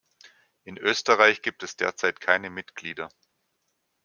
In Österreich gibt es derzeit keine Mitglieder.